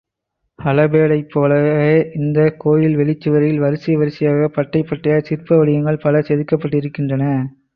ஹலபேடைப் போலவே இந்தக் கோயில் வெளிச் சுவரில் வரிசை வரிசையாய், பட்டை பட்டையாய் சிற்ப வடிவங்கள் பல செதுக்கப்பட்டிருக்கின்றன.